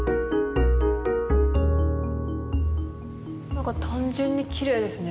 なんか単純にきれいですね。